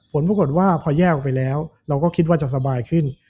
ผลปรากฏว่าพอแยกออกไปแล้วเราก็คิดว่าจะสบายขึ้น